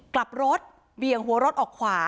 กลับรถเบี่ยงหัวรถออกขวา